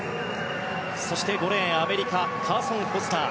そして５レーンアメリカカーソン・フォスター。